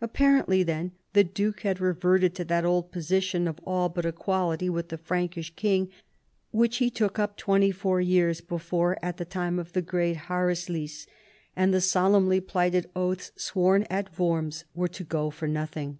Ap , parently, then, the duke had reverted to that old posi tion of all but equality with the Frankish king which he took up twenty four years before at the time of the great hainsliz, and the solemnly plighted oaths sworn at Worms were to go for nothing.